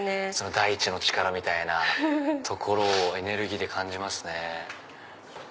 大地の力みたいなところをエネルギーで感じますね。